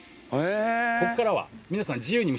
ここからは皆さんおお！